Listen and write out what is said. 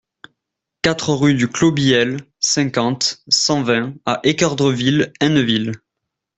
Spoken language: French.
quatre rue du Clos Bihel, cinquante, cent vingt à Équeurdreville-Hainneville